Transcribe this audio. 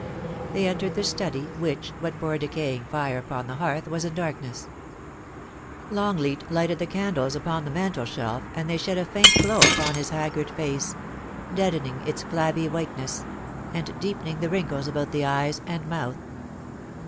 They entered the study, which, but for a decaying fire uj>on the hearth, was in darkness, Longleat lighted the candles upon the mantelshelf, and they shed a faint glow upon his hazard face, deadening its flabby whiteness, and deepening the wrinkles about the eyes and mouth.